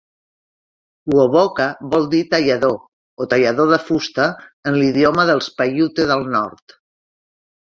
Wovoka vol dir "tallador" o "tallador de fusta" en l'idioma dels Paiute del Nord.